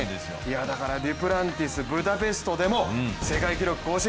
だからデュプランティス、ブダペストでも世界記録更新、